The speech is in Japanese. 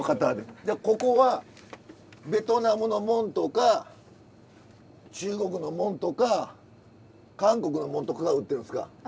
じゃあここはベトナムのもんとか中国のもんとか韓国のもんとかが売ってるんですか？